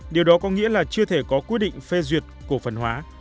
điều đó có nghĩa là chưa thể có quyết định phê duyệt cổ phần hóa